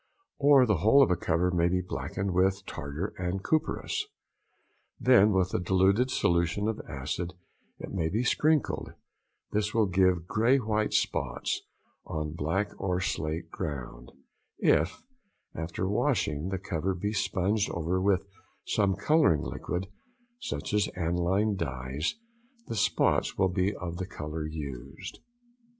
|108| Or the whole of a cover may be blacked with tartar and copperas, then with a diluted solution of acid it may be sprinkled, this will give grey white spots on black or slate ground: if, after washing, the cover be sponged over with some colouring liquid, such as analine dyes, the spots will be of the colour used.